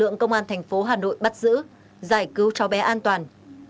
ngoan thành phố hà nội bắt giữ giải cứu cháu bé an toàn